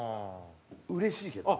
うれしいけどね。